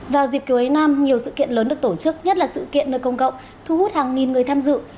vào dịp cuối năm nhiều sự kiện lớn được tổ chức nhất là sự kiện nơi công cộng thu hút hàng nghìn người tham dự